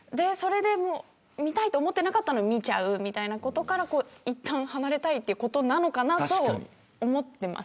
見たいと思ってなかったのに見ちゃうみたいなことからいったん離れたいということなのかなと思っています。